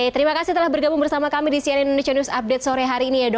terima kasih telah bergabung bersama kami di cnn indonesia news update sore hari ini ya dok